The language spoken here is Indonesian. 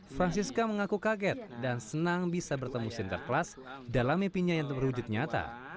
francisca mengaku kaget dan senang bisa bertemu sinterklas dalam mimpinya yang terwujud nyata